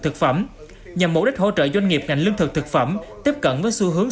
thực phẩm nhằm mục đích hỗ trợ doanh nghiệp ngành lương thực thực phẩm tiếp cận với xu hướng